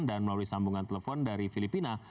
dan melalui sambungan telepon dari filipina